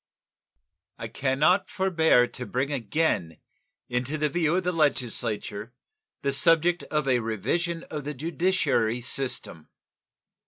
I can not forbear to bring again into the view of the Legislature the subject of a revision of the judiciary system.